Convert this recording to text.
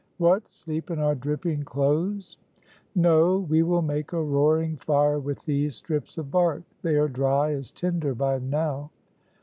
"What, sleep in our dripping clothes?" "No, we will make a roaring fire with these strips of bark; they are dry as tinder by now."